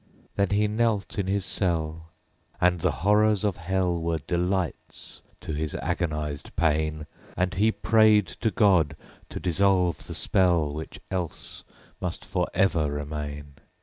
7. Then he knelt in his cell: And the horrors of hell Were delights to his agonized pain, And he prayed to God to dissolve the spell, _40 Which else must for ever remain.